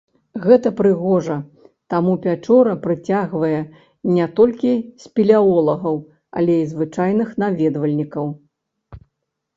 Гэта прыгожа, таму пячора прыцягвае не толькі спелеолагаў, але і звычайных наведвальнікаў.